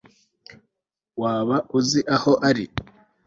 waba uzi aho ari